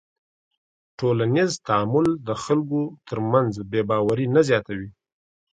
ټولنیز تعامل د خلکو تر منځ بېباوري نه زیاتوي.